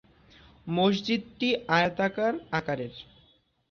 মসজিদটি আয়তাকার আকারের।